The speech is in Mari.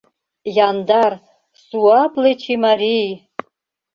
Яндар, суапле Чимарий!